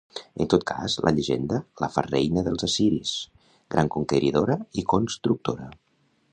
En tot cas, la llegenda la fa reina dels assiris, gran conqueridora i constructora.